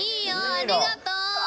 ありがとう。